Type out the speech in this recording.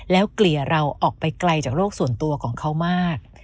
แล้วเกลี่ยเราออกไปไกลจากโลกส่วนตัวของเขามาก